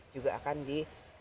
juga akan di